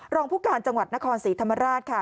รองผู้การจังหวัดนครศรีธรรมราชค่ะ